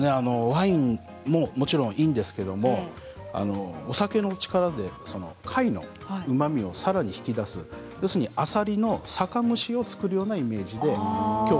ワインもいいんですが、お酒の力で貝のうまみをさらに引き出すあさりの酒蒸しを作るようなイメージで。